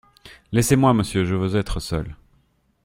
Laissez-moi, Monsieur ; je veux être seule.